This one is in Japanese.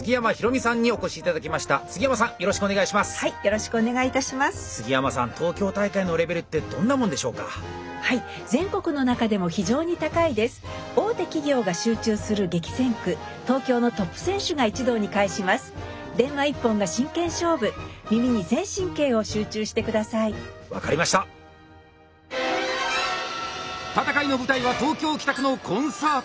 戦いの舞台は東京・北区のコンサートホール。